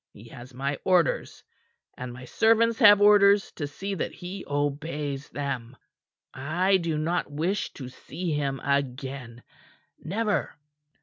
He has my orders, and my servants have orders to see that he obeys them. I do not wish to see him again never.